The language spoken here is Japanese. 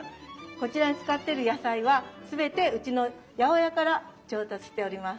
こちらに使ってる野菜は全てうちの八百屋から調達しております。